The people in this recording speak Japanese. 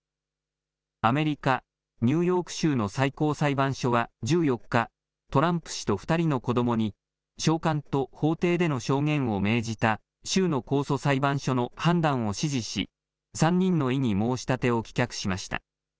アメリカ・ニューヨーク州の最高裁判所は１４日、トランプ氏と２人の子どもに、召喚と法廷での証言を命じた州の控訴裁判所の判断を支持し、３人の異議申し立てを棄却しました。